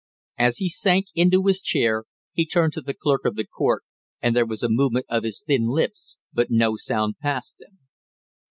As he sank into his chair he turned to the clerk of the court and there was a movement of his thin lips, but no sound passed them.